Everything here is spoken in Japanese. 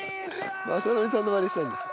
雅紀さんのマネしたんだ。